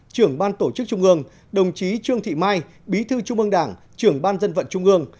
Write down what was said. trưởng ban tổ chức trung ương đồng chí trương thị mai bí thư trung ương đảng trưởng ban dân vận trung ương